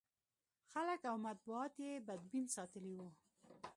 خلک او مطبوعات یې بدبین ساتلي و.